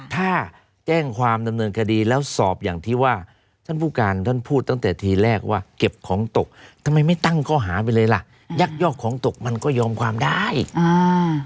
ถ้าแจ้งความดำเนินคดีแล้วสอบอย่างที่ว่าท่านผู้การท่านพูดตั้งแต่ทีแรกว่าเก็บของตกทำไมไม่ตั้งข้อหาไปเลยล่ะยักยอกของตกมันก็ยอมความได้อ่า